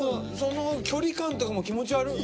距離感とかも気持ち悪っ。